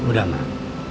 udah udah mah